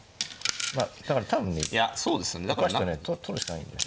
まあだから多分ね取るしかないんだよ。